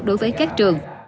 đối với các trường